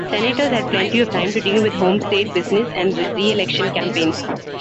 Senators had plenty of time to deal with home-state business and reelection campaigns.